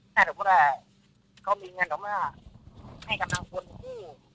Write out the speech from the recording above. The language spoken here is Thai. ถ้าสมมุติว่าเขามีเงินของเราให้กำลังควรคู่